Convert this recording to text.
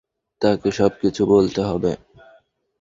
তাকে সবকিছু বলতে হবে।